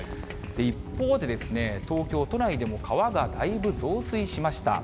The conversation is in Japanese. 一方でですね、東京都内でも川がだいぶ増水しました。